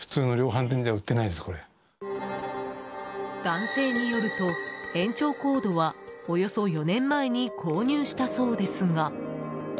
男性によると、延長コードはおよそ４年前に購入したそうですが。